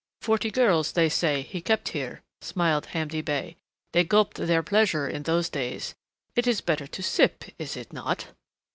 "Forty girls, they say, he kept here," smiled Hamdi Bey. "They gulped their pleasure, in those days. It is better to sip, is it not?"